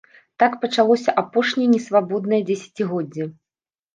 Так пачалося апошняе несвабоднае дзесяцігоддзе.